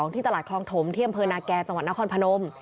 ที่ตลาดคลองถมที่อำเภอนาแก่จังหวัดนครพนม